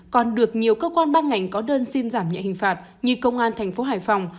còn được nhiều cơ quan ban ngành có đơn xin giảm nhẹ hình phạt như công an thành phố hải phòng